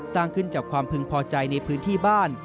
สร้างขึ้นจากความพึงพอใจในพื้นที่บ้าน